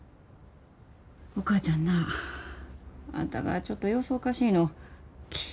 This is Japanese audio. お母ちゃんなあんたがちょっと様子おかしいの気ぃ